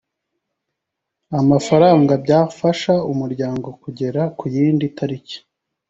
amafaranga byafasha umuryango kugera ku yindi tariki